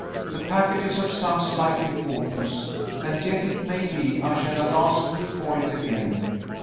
The packet is of some slight importance; and yet, it may be, I shall not ask you for it again.